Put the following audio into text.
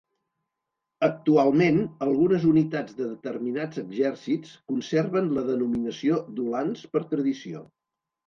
Actualment algunes unitats de determinats exèrcits conserven la denominació d'ulans per tradició.